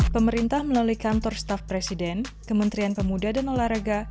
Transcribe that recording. pemerintah melalui kantor staf presiden kementerian pemuda dan olahraga